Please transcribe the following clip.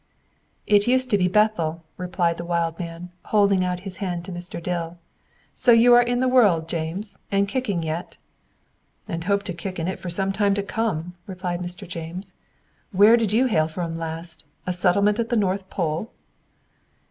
"It used to be Bethel," replied the wild man, holding out his hand to Mr. Dill. "So you are in the world, James, and kicking yet?" "And hope to kick in it for some time to come," replied Mr. James. "Where did you hail from last? A settlement at the North Pole?"